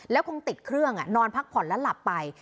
แล้วคงติดเครื่องนอนพักผ่อนแล้วหลับไป